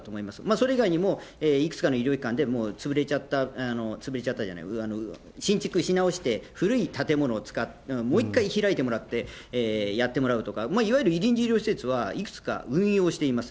それ以外にも、いくつかの医療機関で、新築し直して、古い建物を使って、もう一回開いてもらって、やってもらうとか、いわゆる臨時医療施設はいくつか運用しています。